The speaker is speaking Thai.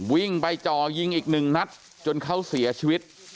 วิ่งไปจ่อยิงอีกหนึ่งนัดจนเขาเสียชีวิต